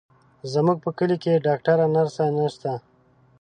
زموږ په کلي کې ډاکتره، نرسه نشته،